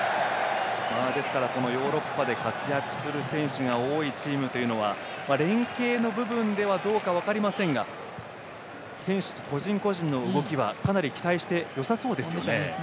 ですから、ヨーロッパで活躍する選手が多いチームは連係の部分ではどうか分かりませんが選手と個人個人の動きはかなり期待してよさそうですね。